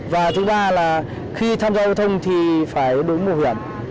và thứ ba là khi tham gia hội thông thì phải đúng bảo hiểm